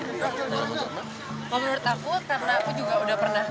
kalau menurut aku karena aku juga udah pernah